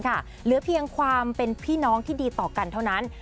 เหลือเพียงความเป็นพี่น้องที่ดีต่อกันเท่านั้น